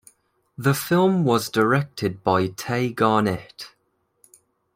The film was directed by Tay Garnett.